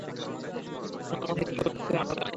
এমন অবস্থায় কী করতে হয় আমার জানা নেই।